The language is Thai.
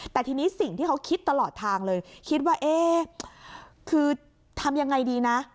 แต่ทีนี้สิ่งที่เขาคิดตลอดทางเลยคิดว่าเอ๊ะคือทำยังไงดีนะ